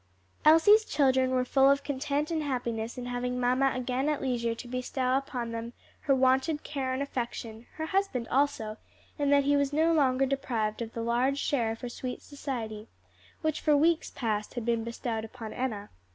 Elsie's children were full of content and happiness in having mamma again at leisure to bestow upon them her wonted care and attention; her husband also, in that he was no longer deprived of the large share of her sweet society, which for weeks past had been bestowed upon Enna.